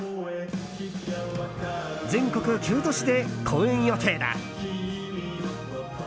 全国９都市で公演予定だ。